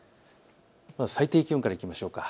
最低気温からいきましょうか。